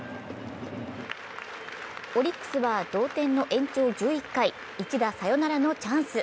オリックスは同点の延長１１回、一打サヨナラのチャンス。